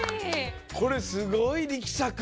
これすごいりきさく！